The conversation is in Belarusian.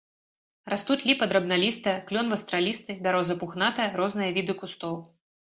Растуць ліпа драбналістая, клён вастралісты, бяроза пухнатая, розныя віды кустоў.